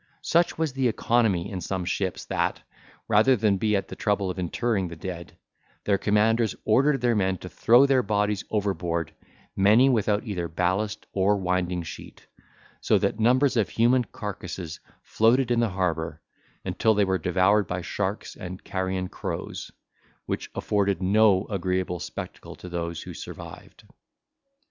Such was the economy in some ships that, rather than be at the trouble of interring the dead, their commanders ordered their men to throw their bodies overboard, many without either ballast or winding sheet; so that numbers of human carcases floated in the harbour, until they were devoured by sharks and carrion crows, which afforded no agreeable spectacle to those who survived.